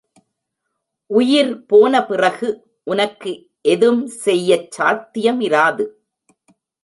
உயிர் போனபிறகு உனக்கு எதும் செய்யச் சாத்தியமிராது.